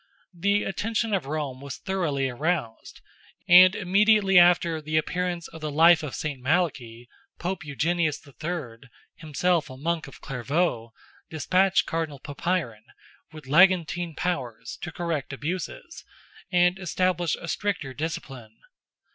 The attention of Rome was thoroughly aroused, and immediately after the appearance of the Life of Saint Malachy, Pope Eugenius III.—himself a monk of Clairvaulx—despatched Cardinal Papiron, with legantine powers, to correct abuses, and establish a stricter discipline.